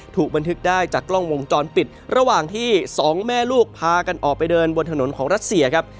ถูกบันทึกได้จากกล้องวงจรปิดระหว่างที่สองแม่ลูกพากันออกไปเดินบนถนนของรัสเซียครับ